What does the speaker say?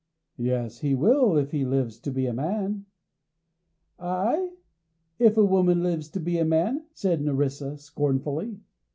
"Yes, he will, if he lives to be a man." "Ay, if a woman lives to be a man!" said Nerissa scornfully.